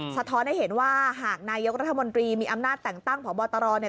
สะท้อนให้เห็นว่าหากนายกรัฐมนตรีมีอำนาจแต่งตั้งพบตรเนี่ย